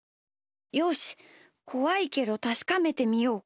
よしこわいけどたしかめてみよう。